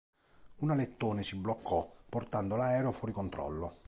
Un alettone si bloccò, portando l'aereo fuori controllo.